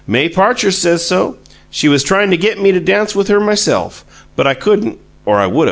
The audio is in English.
"May Parcher says so. She was tryin' to get me to dance with her myself, but I couldn't, or I would of.